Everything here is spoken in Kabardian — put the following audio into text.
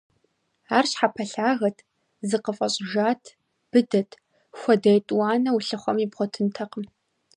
Ар щхьэпэлъагэт, зыкъыфӀэщӀыжат, быдэт, хуэдэ етӀуанэ улъыхъуэми бгъуэтынтэкъым.